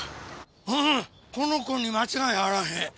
ああこの子に間違いあらへん。